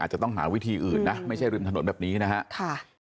จะต้องหาวิธีอื่นนะไม่ใช่ริมถนนแบบนี้นะครับ